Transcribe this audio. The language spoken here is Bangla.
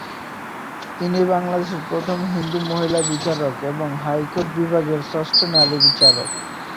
তিনি বাংলাদেশের প্রথম হিন্দু মহিলা বিচারক এবং হাইকোর্ট বিভাগের ষষ্ঠ নারী বিচারক।